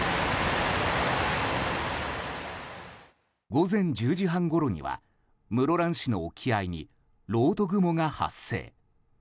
午前１０時半ごろには室蘭市の沖合にろうと雲が発生。